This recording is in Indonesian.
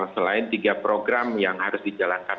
selain tiga program yang harus dijalankan